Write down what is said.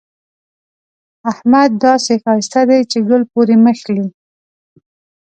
احمد داسې ښايسته دی چې ګل پورې مښلي.